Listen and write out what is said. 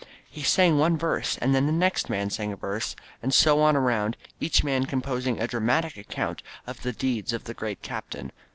He sang one verse, and then the next man sang a verse, and so on around, each man composing a dramatic account of the deeds of the Great Captain.